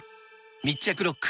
密着ロック！